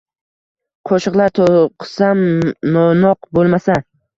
Qo’shiqlar to’qisam — no’noq bo’lmasa